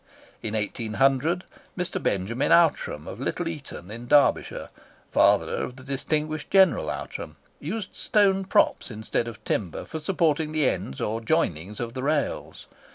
In 1800, Mr. Benjamin Outram, of Little Eaton, in Derbyshire (father of the distinguished General Outram), used stone props instead of timber for supporting the ends or joinings of the rails.